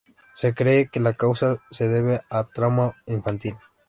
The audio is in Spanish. Se cree que la causa se debe a un trauma infantil.